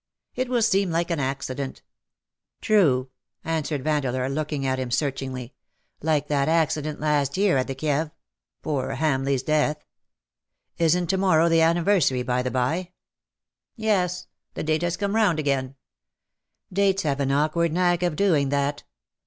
^'" It will seem like accident ?"" True/' answered Vandeleur, looking at him searchingly ;" like that accident last year at the Kieve — poor Hamleigh's death. Isn^t to morrow the anniversary^ by the by T^ *'Yes — the date has come round again/' " Dates have an awkward knack of doing that.